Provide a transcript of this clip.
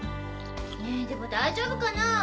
ねえでも大丈夫かなぁ？